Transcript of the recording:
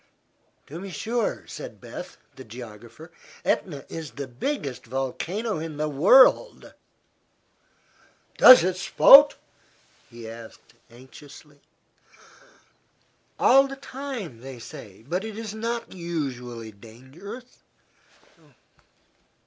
"To be sure," said Beth, the geographer. "Etna is the biggest volcano in the world." "Does it spout?" he asked, anxiously. "All the time, they say. But it is not usually dangerous."